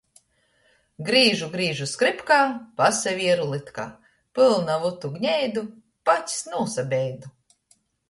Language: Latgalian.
Grīžu, grīžu skrypkā, pasavieru lytkā – pylna vutu, gneidu, pats nūsabeidu!